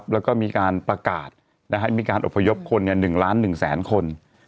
แล้วก็มีการประกาศมีการอบพยพคน๑ล้าน๑แสนคน